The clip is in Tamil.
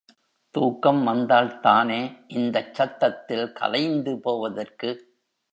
தூக்கம் வந்தால்தானே, இந்தச் சத்தத்தில் கலைந்து போவதற்கு?